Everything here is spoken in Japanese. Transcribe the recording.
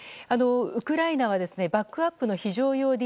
ウクライナはバックアップの非常用